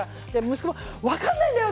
息子も、分からないんだよ！